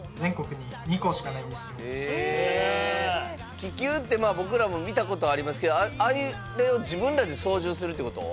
気球って僕らも見たことありますけどあれを自分らで操縦するってこと？